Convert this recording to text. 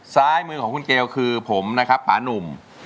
ซ้ายมือของคุณเกลคือผมนะครับปานุ่ม